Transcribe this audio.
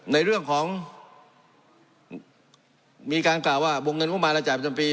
ในเรื่องของมีการกล่าวว่าวงเงินงบมารรายจ่ายประจำปี